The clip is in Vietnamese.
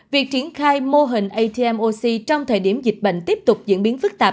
việc triển khai mô hình atmoc trong thời điểm dịch bệnh tiếp tục diễn biến phức tạp